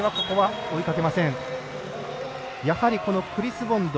やはりクリス・ボンド。